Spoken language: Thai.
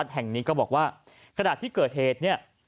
แห่งนี้ก็บอกว่าขณะที่เกิดเหตุเนี่ย